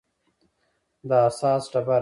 د اساس ډبره ده.